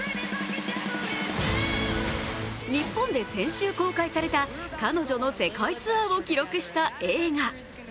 日本で先週公開された彼女の世界ツアーを記録した映画。